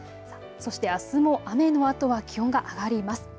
そしてあすも雨のあとは気温が上がります。